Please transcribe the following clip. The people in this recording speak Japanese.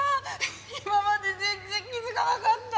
今まで全然気づかなかった。